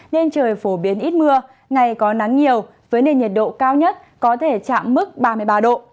nên trời phổ biến ít mưa ngày có nắng nhiều với nền nhiệt độ cao nhất có thể chạm mức ba mươi ba độ